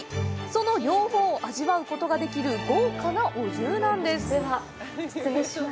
その両方を味わうことができる豪華なお重なんです！